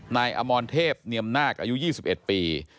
นายอมรเทพเนียมนาคอายุ๒๑ปี